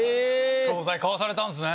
商材買わされたんすね。